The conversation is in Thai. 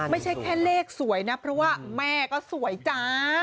ไม่ใช่แค่เลขสวยนะเพราะว่าแม่ก็สวยจ้า